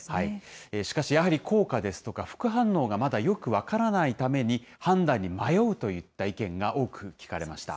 しかし、やはり効果ですとか、副反応がまだよく分からないために、判断に迷うといった意見が多く聞かれました。